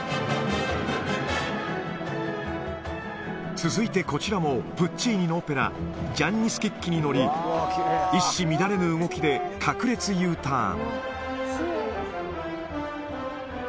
続いてこちらも、プッチーニのオペラ、ジャンニ・スキッキに乗り、一糸乱れぬ動きで各列Ｕターン。